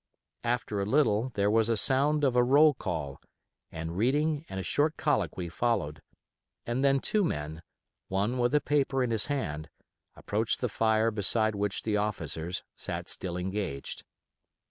After a little there was a sound of a roll call, and reading and a short colloquy followed, and then two men, one with a paper in his hand, approached the fire beside which the officers sat still engaged.